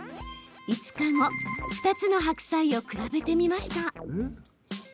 ５日後、２つの白菜を比べてみました。